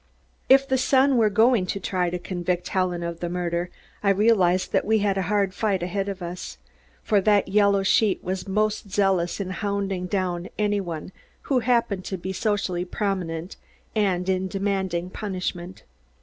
If The Sun were going to try to convict Helen of the murder, I realized that we had a hard fight ahead of us, for that yellow sheet was most zealous in hounding down any one who happened to be socially prominent, and in demanding punishment.